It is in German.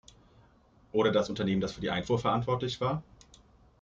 Oder das Unternehmen, das für die Einfuhr verantwortlich war?